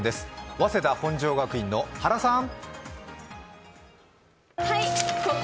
早稲田本庄学院の原さん。